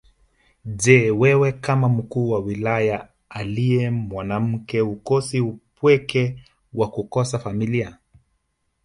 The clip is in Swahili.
Je wewe kama mkuu wa Wilaya aliye mwanamke hukosi upweke wa kukosa familia